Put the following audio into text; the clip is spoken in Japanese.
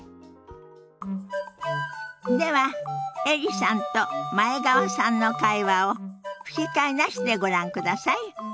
ではエリさんと前川さんの会話を吹き替えなしでご覧ください。